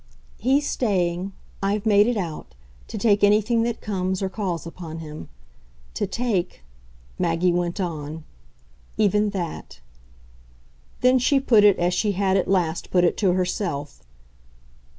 "He's staying I've made it out to take anything that comes or calls upon him. To take," Maggie went on, "even that." Then she put it as she had at last put it to herself.